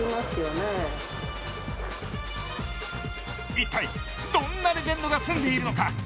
いったい、どんなレジェンドが住んでいるのか。